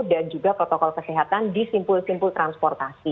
dan juga protokol kesehatan di simpul simpul transportasi